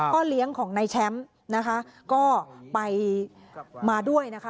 เลี้ยงของนายแชมป์นะคะก็ไปมาด้วยนะคะ